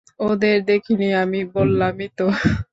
ওদের দেখিনি আমি বললামই তো!